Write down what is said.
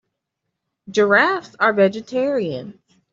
Giraffes are vegetarians.